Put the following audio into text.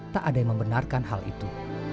tak ada yang membenarkan hal itu